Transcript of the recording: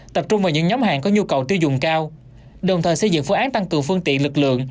tập trung vào những nhóm hàng có nhu cầu tiêu dùng cao đồng thời xây dựng phương án tăng cường phương tiện lực lượng